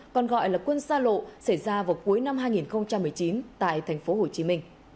còn gọi là quân xa lộ xảy ra vào cuối năm hai nghìn một mươi chín tại tp hcm